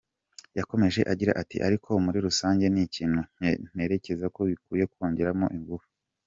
Yakomeje agira ati “Ariko muri rusange ni ikintu ntekerezako bikwiye kongeramo ingufu.